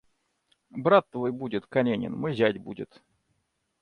Брат твой будет, Каренин, мой зять, будет.